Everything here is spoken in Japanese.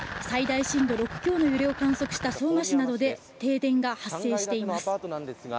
最大震度６強の揺れを観測した相馬市などで停電が発生しています。